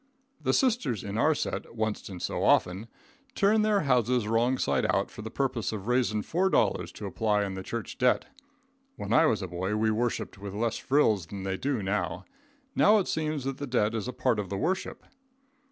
The sisters in our set, onct in so often, turn their houses wrong side out for the purpose of raising four dollars to apply on the church debt. When I was a boy we worshiped with less frills than they do now. Now it seems that the debt is a part of the worship.